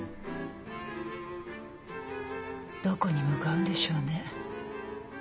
どこに向かうんでしょうね